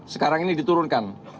sekarang ini diturunkan